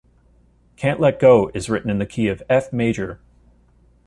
"Can't Let Go" is written in the key of F major.